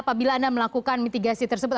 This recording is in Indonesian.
apabila anda melakukan mitigasi tersebut